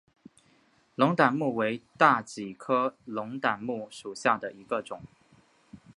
龙胆木为大戟科龙胆木属下的一个种。